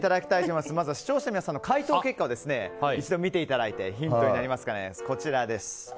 まずは視聴者の皆さんの回答結果を見ていただいてヒントになりますかね。